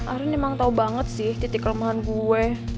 arin emang tau banget sih titik lemahan gue